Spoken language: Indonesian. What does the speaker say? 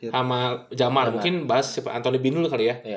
sama jamal mungkin bahas anthony bean dulu kali ya